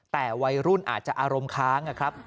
แต่วัยรุ่นอาจจะอารมณ์ค้างนะครับ